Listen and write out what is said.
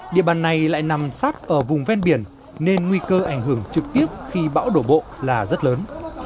địa bàn này lại nằm sát ở vùng ven biển nên nguy cơ ảnh hưởng trực tiếp khi bão đổ bộ là rất lớn